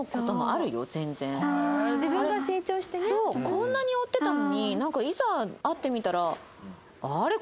こんなに追ってたのになんかいざ会ってみたらあれ？